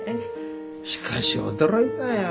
しかし驚いたよ。